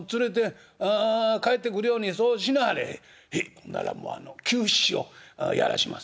ほんだらもうあの久七をやらします」。